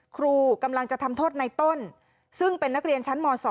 ครูกำลังจะทำโทษในต้นซึ่งเป็นนักเรียนชั้นม๒